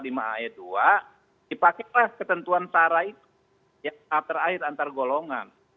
dipakailah ketentuan tarai yang terakhir antar golongan